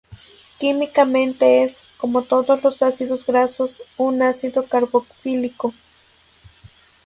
Químicamente es, como todos los ácidos grasos, un ácido carboxílico.